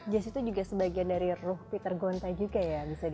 jazz itu juga sebagian dari ruh peter gonta juga ya bisa dibilang